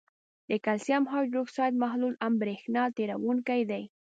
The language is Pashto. د کلسیم هایدروکساید محلول هم برېښنا تیروونکی دی.